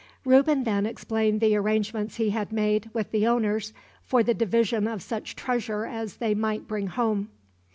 Reuben then explained the arrangements he had made, with the owners, for the division of such treasure as they might bring home.